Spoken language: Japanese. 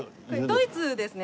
ドイツですか。